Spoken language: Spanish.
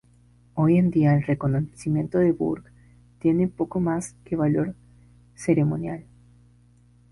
Hoy en día, el reconocimiento de "Burgh" tiene poco más que valor ceremonial.